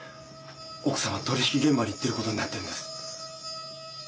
奥さんは取り引き現場に行ってることになってるんです！